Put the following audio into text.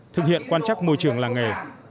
thực hiện quan trắc môi trường làng nghề